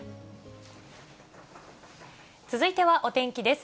続いてはお天気です。